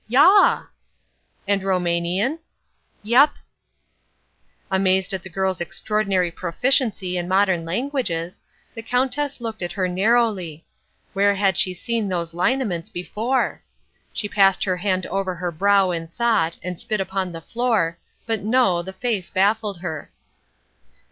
"Yaw." "And Roumanian?" "Jep." Amazed at the girl's extraordinary proficiency in modern languages, the Countess looked at her narrowly. Where had she seen those lineaments before? She passed her hand over her brow in thought, and spit upon the floor, but no, the face baffled her.